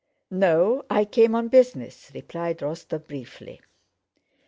"No, I came on business," replied Rostóv, briefly.